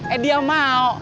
eh dia mau